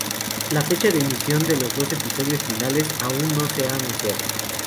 La fecha de emisión de los dos episodios finales aún no se ha anunciado.